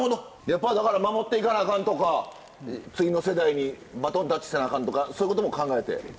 だから守っていかなあかんとか次の世代にバトンタッチせなあかんとかそういうことも考えて。